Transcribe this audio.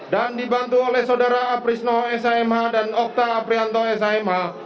dan dibantu oleh sodara aprisno samh dan okta aprianto samh